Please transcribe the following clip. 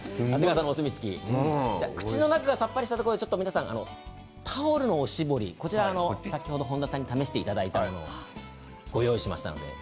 口の中がさっぱりしたところでタオル、おしぼり先ほど本田さんに試していただいたものをご用意しました。